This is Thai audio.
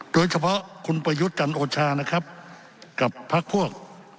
โดยเฉพาะคุณประยุทธ์จันโอชานะครับกับพักพวก